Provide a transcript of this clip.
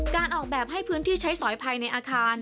การออกแบบให้พื้นที่ใช้สอยภายในอาคาร